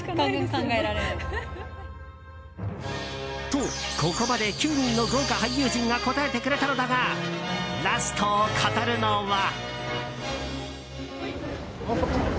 と、ここまで９人の豪華俳優陣が答えてくれたのだがラストを飾るのは。